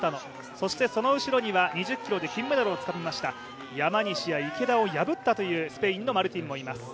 そしてその後ろには２０ｋｍで金メダルをつかみました山西や池田を破ったというスペインのマルティンもいます。